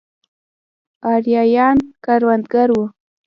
ارایایان کروندګر وو.